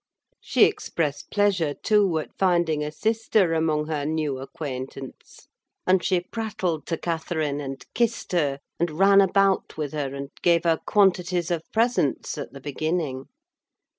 She expressed pleasure, too, at finding a sister among her new acquaintance; and she prattled to Catherine, and kissed her, and ran about with her, and gave her quantities of presents, at the beginning.